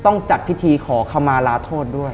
ต้องจัดพิธีขอขมาลาโทษด้วย